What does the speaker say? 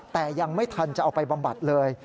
แต่ยังไม่ทันจะเอาไปบำบัดเลย